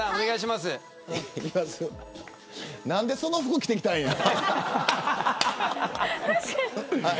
何で、その服着てきたんや。